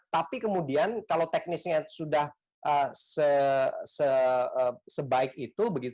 tapi kemudian kalau teknisnya sudah sebaik itu